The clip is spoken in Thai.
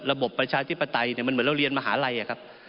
ประชาธิปไตยมันเหมือนเราเรียนมหาลัยครับ